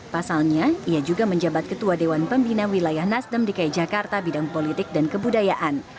pasalnya ia juga menjabat ketua dewan pembina wilayah nasdem dki jakarta bidang politik dan kebudayaan